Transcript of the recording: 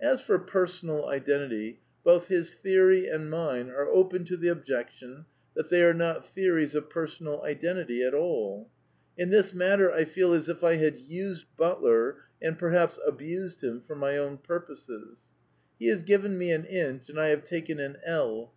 As for Personal Identity, both his theory and mine are open to the objection that they are not theories of per sonal identity at all. In this matter I feel as if I had used Butler (and perhaps abused him) for my own pur^ poses. He has given me an inch and I have taken an ell.